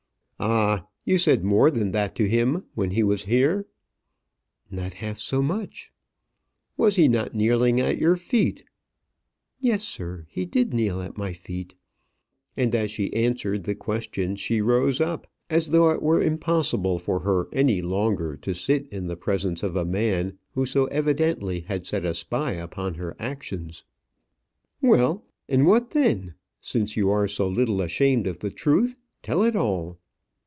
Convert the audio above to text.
"Ah! you said more than that to him when he was here." "Not half so much." "Was he not kneeling at your feet?" "Yes, sir, he did kneel at my feet;" and as she answered the question she rose up, as though it were impossible for her any longer to sit in the presence of a man who so evidently had set a spy upon her actions. "Well, and what then? Since you are so little ashamed of the truth, tell it all."